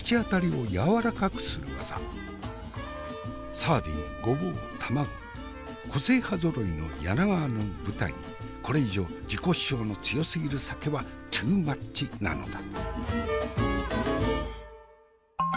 サーディンごぼう卵個性派ぞろいの柳川の舞台にこれ以上自己主張の強過ぎる酒はＴＯＯＭＡＴＣＨなのだ。